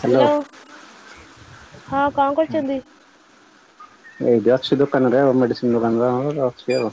Hello ହଁ କଣ କରୁଛନ୍ତି? ଏଇଠି ଅଛି ଦୋକାନରେ ଆଉ ମେଡିସିନ ଦୋକାନରେ ଆମର ଅଛି ଆଉ।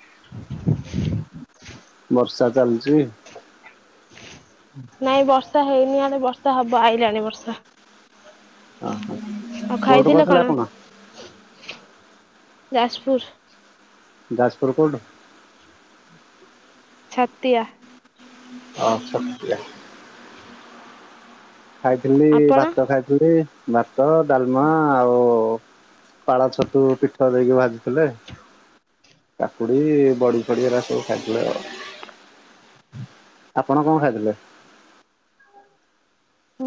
[inaudible] ବର୍ଷା ଚାଲିଛି। ନାଇଁ ବର୍ଷା ହେଇନି ଆଡେ। ବର୍ଷା ହବ ଆଇଲାଣି ବର୍ଷା। ଓହୋ ଆଉ କୋଉଠୁ ଖାଇଥିଲେ କହୁଥିଲେ କଣ? ଆପଣ ଯାଜପୁର। ଯାଜପୁର କୋଉଠୁ? ଛତିଆ। ଓଃ ଛତିଆ। ଖାଇଥିଲି ଆପଣ? ଭାତ ଖାଇଥିଲି। ଦୁରେ ଭାତ ଡାଲମା ଆଉ ପାଳ ଛତୁ ପିଠ ଦେଇକି ଭାଜ କାକୁଡି ବଡି ଫଡି ଏରା ସବୁ ଖାଇଥିଲେ ଆଉ। ଆପଣ କଣ ଖାଇଥିଲେ?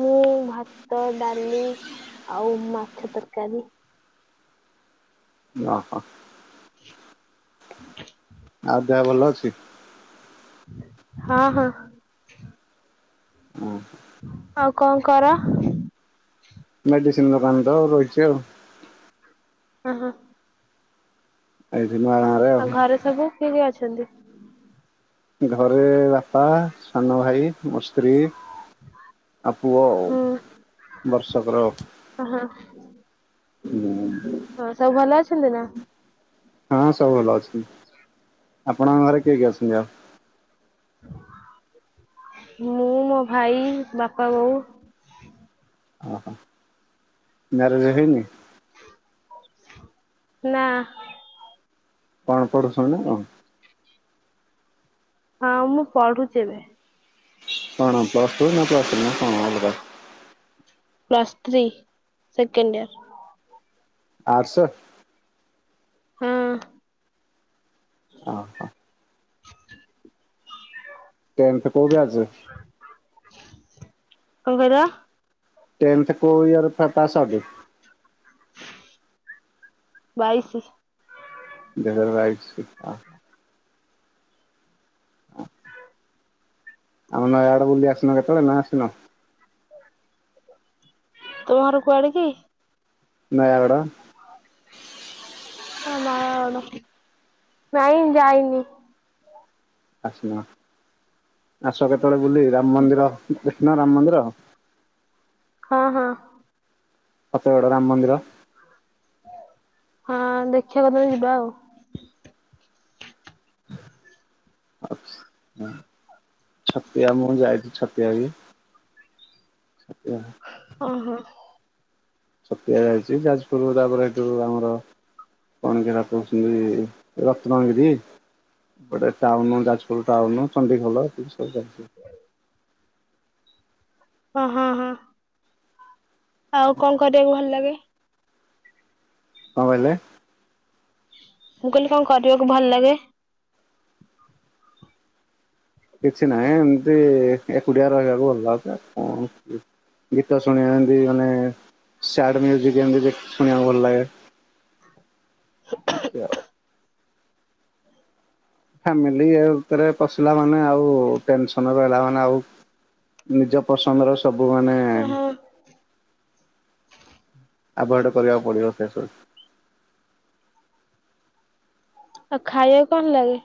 ମୁଁ ଭାତ ଡାଲି ଆଉ ମାଛ ତରକାରୀ। ଓହୋ। [inaudible] ଆଉ ଦେହ ଭଲ ଅଛି। ହଁ ହଁ। ହୁଁ। ଆଉ କଣ କର? ମେଡିସିନ ଦୋକାନ ତ ଆଉ ରହିଛି ଆଉ। ହଁ ହଁ। ଆଜିମା ଆଉ ଘରେ ସବୁ କିଏ କିଏ ଅଛନ୍ତି? ଘରେ ବାପା ସାନ ଭାଇ ମୋ ସ୍ତ୍ରୀ। ଆଉ ପୁଅ ଆଉ ହୁଁ ବର୍ଷକର। ହଁ ହଁ। ହୁଁ। ହଁ ସବୁ ଭଲ ଅଛନ୍ତି ନା। ହଁ ସବୁ ଭଲ ଅଛି। ଆପଣଙ୍କ ଘରେ କିଏ କିଏ ଅଛନ୍ତି ଆଉ? ମୁଁ ମୋ ଭାଇ ବାପା ବୋଉ। ଓହୋ ମାରେଜ୍ ହେଇନି। ନା। କଣ ପଢୁଛନ୍ତି ନା କଣ? ହଁ ମୁଁ ପଢୁଛି ଏବେ। କଣ ପ୍ଲସଟୁ ନା ପ୍ଲସଥ୍ରୀ ନା କଣ ଅଲଗା। Plus three second year. ଆଡସେ ହଁ ଓ [unintelligible] ଟେନଥେ କୋଉ ବ୍ୟାଚ? କଣ କହିଲ? ଟେନଥ କୋଉ ଇୟର [unintelligible] ବାଇସି ଦୁଇ ହଜାର ବାଇସି ଆ। ଆଉ ନ ଇଆଡେ ବୁଲି ଆସୁନ କେତେବେଳେ ନା ଆସିନ। ତୁମ ଘର କୁଆଡେ କି? ନୟାଗଡ଼। ଓ ନୟାଗଡ଼ ନାଇଁ ଯାଇନି। ଆସୁନ ଆସ କେତେବେଳେ ବୁଲି ରାମ ମନ୍ଦିର ଦେଖିନ ରାମ ମନ୍ଦିର। ହଁ ହଁ ସତଗଡ ରାମ ମନ୍ଦିର। ହଁ ଦେଖିବା କେତେବେଳେ ଯିବା ଆଉ। [inaudible] ଆ ହ ଛତିଆ ମୁଁ ଯାଇଛି ଛତିଆ ବି। ଛତିଆ। ଓ ହୋ ଛତିଆ ଯାଇଛି ଯାଜପୁରରୁ ତାପରେ ସେଠୁ ଆମର କଣ କିରା କହୁଛନ୍ତି ରତ୍ନଗିରି। ଗୋଟେ ଟାଉନ ଯାଜପୁର ଟାଉନ ଚଣ୍ଡି ଖୋଲ ଏ ସବୁ ଯାଇଛି। ହ ହଁ ହଁ ଆଉ କଣ କରିବାକୁ ଭଲ ଲାଗେ? କଣ କହିଲେ ମୁଁ କହିଲି କଣ କରିବାକୁ ଭଲ ଲାଗେ? କିଛି ନାହିଁ ଏମୀତି ଏକୁଟିଆ ରହିବାକୁ ଭଲ ଲାଗେ କଣ ଗୀତ ଶୁଣିବା ଏମୀତି ମାନେ ସ୍ୟାଡ ମୀୟୁଜି କଶୁଣିବାକୁ ଭଲ ଲାଗେ ଏମିତି ଆଉ [inaudible] ଫାମିଲି ଇଏ ଭିତରେ ପଶିଲା ମାନେ ଆଉ ଟେନସନ ରହିଲା ମାନେ ଆଉ ନିଜ ପସନ୍ଦ ର ସବୁ ମାନେ ଓହଁ ଆଭୋଡ କରିବାକୁ ପଡିବ ସେ ସବୁ ଆଉ ଖାଇବାକୁ କଣ ଲାଗେ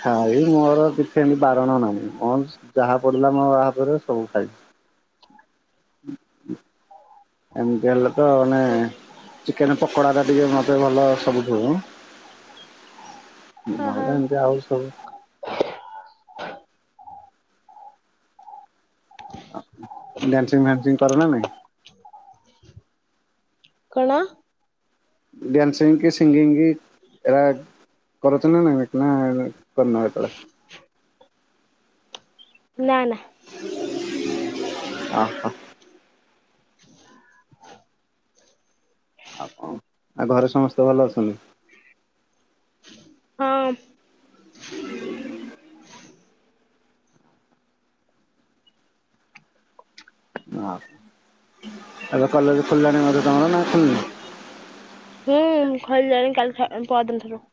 ଖାଇ ମୋର କିଛି ଏମତି ବାରଣ ନାହିଁ ମଁ ସ ଯାହା ପଡିଲା ମୋଆପରେ ସବୁ ଖାଇବି ଏମୀତି ହେଲେ ତ ମାନେ ଚି କେନ ପକୋଡା ଟିକେ ମତେ ଭଲ ସବୁଠୁ ଅ ହଁ। ମୋର ଏମିତି ଆଉ ସବୁ ଆ ଡ୍ୟାାନସିଂ ଫନ୍ସିଂ କର ନା ନାଇଁ କଣ ଡ୍ୟାନ୍ସିଂ କି ସିଙ୍ଗିଙ୍ଗ କି ରା କରୁଛ ନା ନାଇଁ ନା କରିନ କେତେ ବେଳେ। ନା ନା। ଅ ହ। ହ ଆଉ କଣ ଆଉ ଘରେ ସମସ୍ତେ ଭଲ ଅଛନ୍ତି। ହଁ। ଏବେ କଲେଜ ଖୋଲିଲାଣି ବୋଧେ ତମର ନା ଖୋଲିନି। ହୁଁ ଖୋଲି ଲାଣିି କାଲି ଠା ପରଦିନ ଠାରୁ।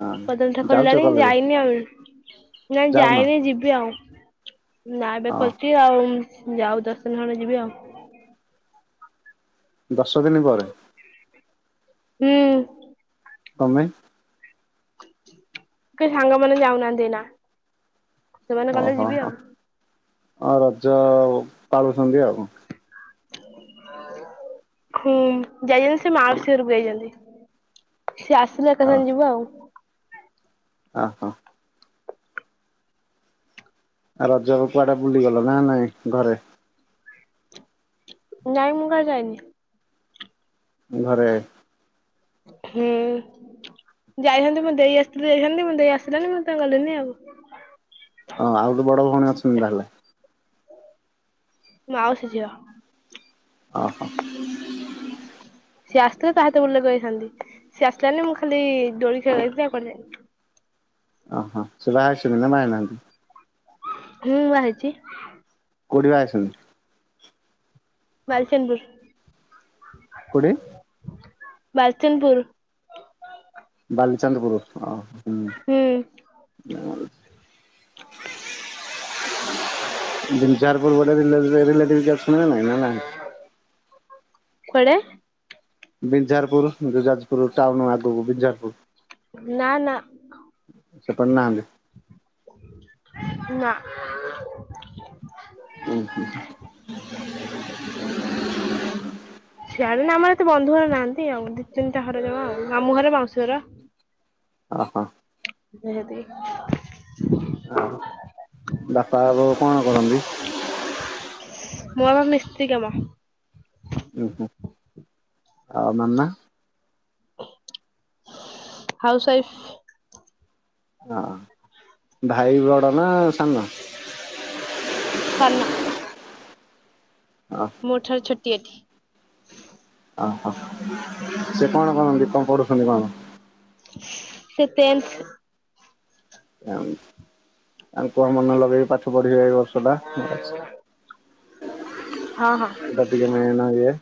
ହଁ ପରଦିନ ଠାରୁ ଖୋଲି ଯାଉଛ ଲାଣି କଲେଜ ଯାଇନି ଆଉ ନାଇଁ ଯାଉନ ଯାଇନି ଯିବି ଆଉ। ନା ଏବେ ହଁ ଖୋଲଛି ଆଉ ଯାଉ ଦଶ ଦିନ ଖଣ୍ଡେ ଯିବି ଆଉ। ଦଶ ଦିନ ପରେ। ହୁଁ। କଁ ପାଇଁ। କେହି ସାଙ୍ଗ ମାନ ଯାଉ ନାହାନ୍ତି ଏଇନା। ସେମାନେ କଲେ ଓହୋ ଯିବି ହୋ ଆଉ। ଆଉ ରଜ ପାଳୁଛନ୍ତି ଆଉ କଁ। ହୁଁ ଯାଇଛନ୍ତି ସେ ମାଉସୀ ଘରକୁ ଯାଇଛନ୍ତି। ସିଏ ଆସିଲେ ଏକା ସାଙ୍ଗେ ଯିବ ଆଉ। ଆ ହୋ। ଆଉ ରଜରେ କୁଆଡେ ବୁଲିଗଲ ନା ନାଇଁ ଘରେ। ନାଇଁ ମୁଁ କୁଆଡେ ଯାଇନି। ଘରେ। ହୁଁ ଯାଇଛନ୍ତି ମୋ ଦେଇ ଆସିଥିଲି ଯାଇଥାନ୍ତି ମୋ ଦେଇ ଆସିଲଣିି ମୁଁ ସେଥି ପାଇଁ ଗଲିଣିି ଆଉ ‌। ଓ‌ ଆଉ ଗୋଟେ ବଡ ଭଉଣୀ ଅଛନ୍ତି ତାହେଲେ। ମାଉସୀ ଝିଅ। ଓ ହୋ। ହ ସିଏ ଆସିଥିଲେ ତା ସହିତ ବୁଲିଵାକୁ ଯାଇଥାନ୍ତି ସିଏ ଆସିଲାନି ମୁଁ ଖାଲି ଦୋଳି ଖେଳିବାକୁ ଯାଇଥିଲି ଆଉ କୁଆଡେ ଯାଇନି। ଓହୋ ସେ ବାହା ହେଇ ସାଇଲେଣି ନା ବାହା ହେଇ ନାହାନ୍ତି। ହୁଁ ବାହା ହେଇଛି। କୋଉଠି ବା ହେଇଛନ୍ତି। ବାଲିଚନ୍ଦପୁର। କୋଉଠି। ବାଲିଚନ୍ଦ ପୁର। ବାଲିଚାନ୍ଦପୁର ଅ ହ। ହୁଁ। [inaudible] [unintelligible] ବିଞ୍ଜାର ପୁର ପଟେ ରିଲେ ରିଲେ ରିଲଟିଭ କିଏ ଅଛନ୍ତି ନା ନାଇଁ ନା ନାହାନ୍ତି। କୁଆଡେ? ବିଞ୍ଜାର ପୁର ଯୋଉ ଯାଜପୁର ଟାଉନ ଆଗକୁ ବିଞ୍ଜାରପୁର। ନା ନା ସେପଟେ ନାହାନ୍ତି ନା। ଓହୋ। ସିଆଡେ ନା ଆମର ଏତେ ବନ୍ଧୁ ଘର ନାହାନ୍ତି ଆଉ। ଦିଇ ତିନଟା ଘର ଜମା ଆଉ। ଆମଁ ଘର ମାଉସୀ ଘର। ଅ ହ। ସେଇ ସେତିକି। ଆଉ, ବାପା ବୋଉ କଣ କରନ୍ତି? ମୋ ବାପା ମିସ୍ତ୍ରୀ କାମ। ଓ ହୋ ‌ ଆଉ ମାମା। House wife. ଆ ଭାଇ ବଡ ନା ସାନ? ସାନ। [unintelligible] ମୋ ଠାର ଛୁଟି ଏଠି। ଓହୋ ସେ କଣ କରନ୍ତି? କଣ କରୁଛନ୍ତି କଣ? ସେ ଟେନ୍ଥ ତାଙ୍କୁ କଣ ମନ ଲଗେଇକି ପାଠ ପଢିିବେ ଏଇବ ହଁ ହଁ [unintelligible] ଟିକେ ମେନଇଏ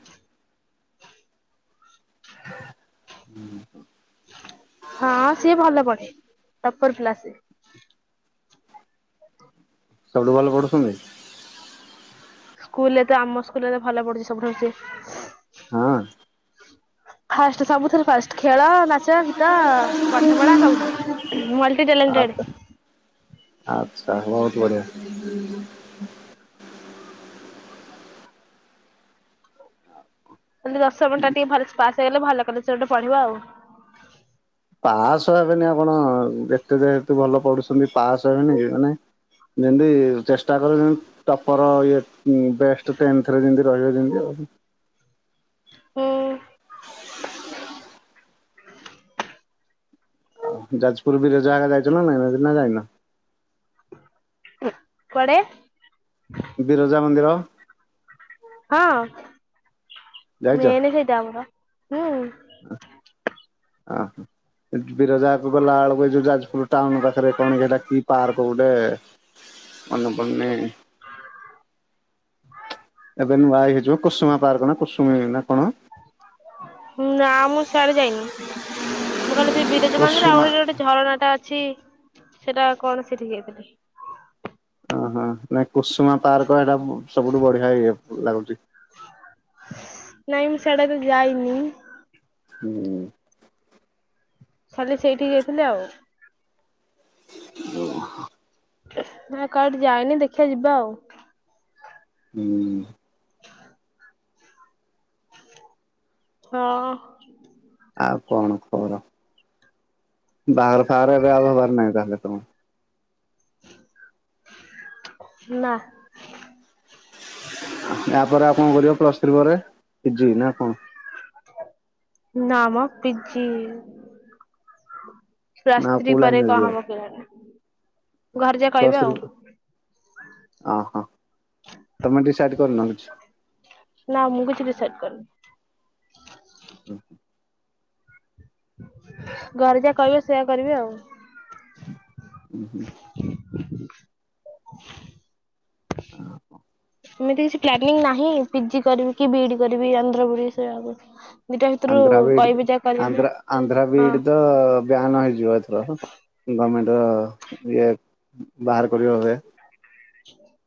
ହୁଁ ହ ହଁ ସିଏ ଭଲ ପଢ଼େ। ଟପର ପିଲା ସେ। ସବୁଠୁ ଭଲ ପଢୁଛନ୍ତି? ସ୍କୁଲରେତ, ଆମ ସ୍କୁଲରେତ ଭଲ ପଢୁଛି ସବୁଠାରୁ ସିଏ। ହଁ ଅଁ ଫାଷ୍ଟ ସବୁଥିରେ ଫାଷ୍ଟ। ଖେଳ, ନାଚ, ଗୀତ, ପାଠପଢା ସବୁଥିରେ। Multi talented. ଆଛା, ବହୁତ ବଢ଼ିଆ। ଖାଲି ଦଶମଟା ଟିକେ ଭଲ୍ସେ ପାସ୍ ହେଇଗଲେ, ଭଲ କଲେଜ ସେ ଗୋଟେ ପଢିବା ଆଉ ପାସ୍ ହେବେନି, ଆପଣ ଯେତେ ଯେହେତୁ ଭଲ ପଢୁଛନ୍ତି ପାସ୍ ହେବେନି? ମାନେ ଯେମତି ଚେଷ୍ଟା କଲେ ଟପର ଇଏ ଉଁ ବେଷ୍ଟ ଟେନ୍ଥରେ ଯେମିତି ରହିବ ଯେମିତି ଆଉ ହୁଁ ଉଁ ଯାଜପୁର ବିରଜାଆଗେ ଯାଇଛ ନା ନାଇ, ଏମନା ଯାଇନ? କୁଆଡେ? ବିରଜା ମନ୍ଦିର। ହଁ, ଯାଇଛ? ମେନେ ସେଇଟା ଆମର। ହୁଁ [unintelligible] ବିରଜାକୁ ଗଲା ବେଳକୁ ଯୋଉ ଯାଜପୁର ଟାଉନ ପାଖରେ କଣକିଟା କି ପାର୍କ ଗୋଟେ? ମନେପଡୁନି? ଏବେ ନୁଆଇ ହେଇଯିବ କସୁମା ପାର୍କ ନା କୁସୁମୀ ନା କଣ? ଉଁ ନା ମୁଁ ସଆରେ ଯାଇନି। ମୁଁ ଖାଲି ସେ ବିରଜା ମାନରେ ଆଉ କୁସୁମା ଗୋଟେ ଝରଣା ଟା ଅଛି ସେଟା କଣ ସେଠିକି ଯାଇ ଓହୋ ନାଇ କୁସୁମା ପାର୍କ ଏଇଟା ସବୁଠୁ ବଢିଆ ଇଏ ଲାଗୁଛି। ନାଇଁ ମୁଁ ସେଡାକୁ ଯାଇନି। ହୁଁ ଉଁ ଖାଲି ସେଇଠି ଯାଇଥିଲେ ଆଉ [unintelligible] ନା କାଉଠି ଯାଇନି ଦେଖିବା ଯିବା ଆଉ ହୁଁ ଉଁ ହଁ ଅଁ ଆଉ କଣ ଖବର? ବାହ ଫହାର ଏବେ ଆଉ ହେବାର ନାହିଁ ତାହେଲେ ତମ ନା ଏହାପରେ ଆଉ କଣ କରିବ ପ୍ଲସ ଥ୍ରୀ ପରେ ପି ଜି ନା କଣ? ନାମ ପିଜି? ନା ଆଉ ଶାସ୍ତ୍ରୀ କୋଉ ପରେ ଲାଇନରେ ଯିବ କହାମ କିଲଣି। ଦଶ ର ଅ ହଁ ତମେ ଡିସାଇଡ଼ କରିନ କିଛି। ନା ମୁଁ କିଛି ଡିସାଇଡ କରିନି। ଓ ହୋ ଘରେ ଯାହା କହିବ, ସେଇୟା କରିବି ଆଉ ହୁଁ ହୁଁ [unintelligible] ଏମିତି କିଛି ପ୍ଲାନିଂ ନାହିଁ, ପିଜି କରିବି କି, ବିଇଡି କରିବି, ଆନ୍ଧ୍ରପ୍ରଦେଶ ରେ ଯାଇକି? ଆନ୍ଧ୍ରା ବିଇଡି ଆନ୍ଧ୍ରା ଆନ୍ଧ୍ରା ବିଇଡି ତ ପାଇଁ ବ୍ୟାନ ହେଇଯିବ ଏଥର। ଗମେଣ୍ଟ ଇଏ ବାହାର କରିବ ହୁଏ [unintelligible]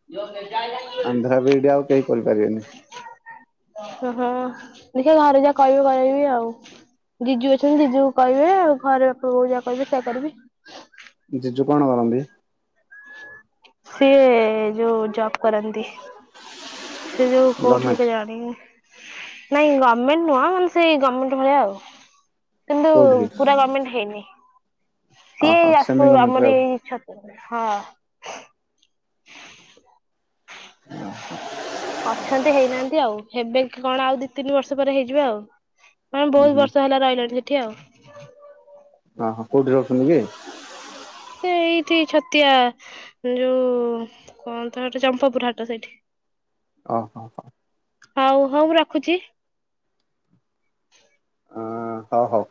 [unintelligible] ଆନ୍ଧ୍ରା ବିଇଡି ଆଉ କେହି କରିପାରିବେନି। ଓ ହଁ ଦେଖିଆ ଘରେ ଯାହା କହିବେ କରିବି ଆଉ। ଜିଜୁ ଅଛନ୍ତି ଜିଜୁ କୁ କହିବେ ଆଉ ଘର ବାପା ବୋଉ ଯାହା କହିବେ ସେୟା କରିବି। ଜିଜୁ କଣ କରନ୍ତି? ସିଏ ଯୋଉ ଜବ୍ କରନ୍ତି। ସିଏ ଯୋଉ କୋଉଠି ଗଭର୍ଣ୍ଣମେଣ୍ଟ ଗୋଟେ ଜାଣିନି। ନାଇଁ ଗମେଣ୍ଟ ନୁହଁ। ମାନେ ସେଇ ଗମେଣ୍ଟ ଭଳିଆ ଆଉ। କିନ୍ତୁ କୋଉଠି ପୁରା ଗମେଣ୍ଟ ହେଇନି। ଅହ ସିଏ ସେମି ଆସୁ ଗଭର୍ଣ୍ଣମେଣ୍ଟରେ ଆମରି ଛ ହଁ। [inaudible] [inaudible] ଅଛନ୍ତି ହେଇନାହାନ୍ତି ଆଉ। ହେବେ କି କଣ ଆଉ ଦି ତିନି ବର୍ଷ ପରେ ହେଇଯିବ ଆଉ। ହଁ ଆଉ। ବହୁତ ବର୍ଷ ହେଲା ରହିଲାଣି ସେଠି ଆଉ। ଓହୋ। କୋଉଠି ରହୁଛନ୍ତି କି? ସେ ଏଇଠି ଛତିଆ। ଯୋଉ କହନ୍ତ ହେଟା ଚମ୍ପପୁର ହାଟ ସେଇଠି। ଅ ହ ହ। ହଉ ହଉ ମୁଁ ରଖୁଚି। ହଁ ହ ହଉ।